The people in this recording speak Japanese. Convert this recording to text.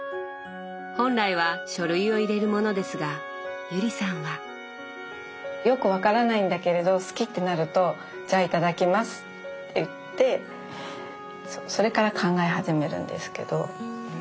本来は書類を入れる物ですが友里さんは。よく分からないんだけれど好きってなると「じゃあいただきます」って言ってそれから考え始めるんですけど。